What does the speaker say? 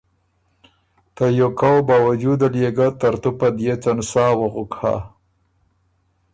ته یوکؤ باوجود ل يې ګۀ ترتُو په ديېڅن ساه وغُک هۀ